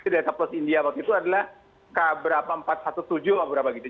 delta plus india waktu itu adalah k empat ratus tujuh belas atau berapa gitu